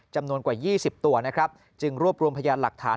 จำนวนกว่า๒๐ตัวนะครับจึงรวบรวมพยานหลักฐาน